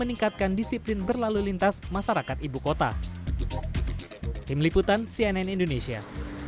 ini adalah alat yang diperlukan untuk mengembangkan jaringan fiber optik